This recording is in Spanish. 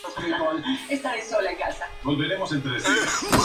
שכינה Es la ‘presencia de Dios’ o su manifestación.